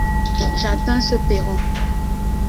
J'atteins ce perron.